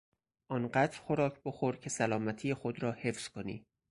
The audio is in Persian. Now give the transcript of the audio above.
آنقدر خوراک بخور که سلامتی خود را حفظ کنی.